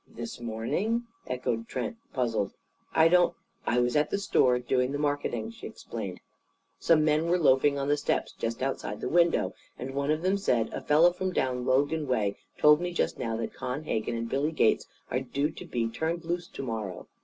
"This morning?" echoed Trent, puzzled. "I don't " "I was at the store, doing the marketing," she explained. "Some men were loafing on the steps, just outside the window. And one of them said, 'A fellow from down Logan way told me just now that Con Hegan and Billy Gates are due to be turned loose to morrow.